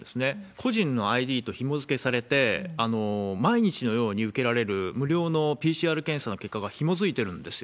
個人のＩＤとひもづけされて、毎日のように受けられる無料のＰＣＲ検査の結果がひもづいてるんですよ。